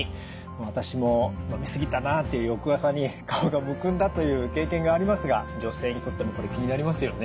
私も飲み過ぎたなあっていう翌朝に顔がむくんだという経験がありますが女性にとってもこれ気になりますよね。